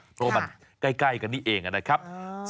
เพราะว่ามันใกล้กันนี่เองนะครับ